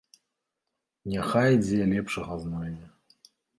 Няхай дзе лепшага знойдзе.